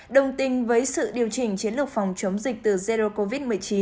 đồng tình với sự điều chỉnh chiến lược phòng chống dịch từ zo covid một mươi chín